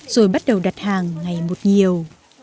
rồi bắt đầu đặt hàng ngày một nhiều